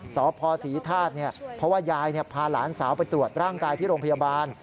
สพศรีธาตุเพราะว่ายายพาหลานสาวไปตรวจร่างกายที่โรงพยาบาล